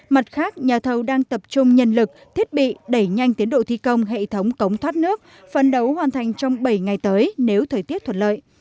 mặt khác nhà thầu đang tập trung nhân lực thiết bị đẩy nhanh tiến độ thi công hệ thống cống thoát nước phấn đấu hoàn thành trong bảy ngày tới nếu thời tiết thuận lợi